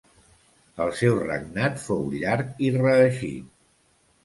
El seu regnat fou llarg i reeixit.